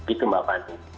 itu mbak bani